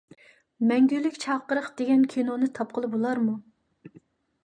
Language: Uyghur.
«مەڭگۈلۈك چاقىرىق» دېگەن كىنونى تاپقىلى بولارمۇ؟